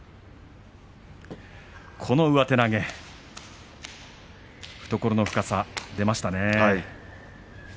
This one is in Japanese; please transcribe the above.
上手投げ懐の深さ、出ましたね。